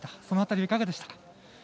その辺りはいかがでしたか。